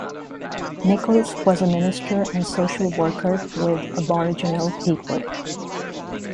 Nicholls was a minister and social worker with Aboriginal people.